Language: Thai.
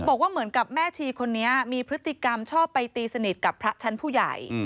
บอกว่าเหมือนกับแม่ชีคนนี้มีพฤติกรรมชอบไปตีสนิทกับพระชั้นผู้ใหญ่